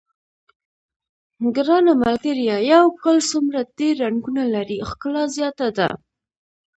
ګرانه ملګریه یو ګل څومره ډېر رنګونه لري ښکلا زیاته ده.